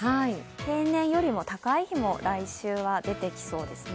平年よりも高い日も来週は出てきそうですね。